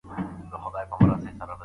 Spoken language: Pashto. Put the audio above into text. د منقول مال پر ځای انسان مه ورکوئ.